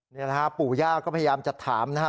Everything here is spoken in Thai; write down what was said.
นี่นะฮะปู่ย่าก็พยายามจะถามนะครับ